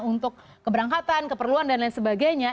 untuk keberangkatan keperluan dan lain sebagainya